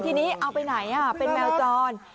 ทีนี้เอาไปไหนเป็นแมวจร